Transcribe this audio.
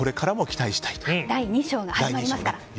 第２章が始まりますから。